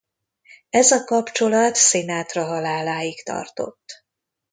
Ez a kapcsolat Sinatra haláláig tartott.